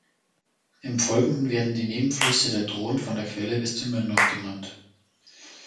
Im Folgenden werden die Nebenflüsse der Dhron von der Quelle bis zur Mündung genannt.